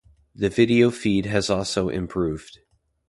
The video feed has also improved.